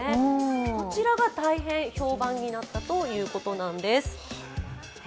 こちらが大変評判になったということなんです。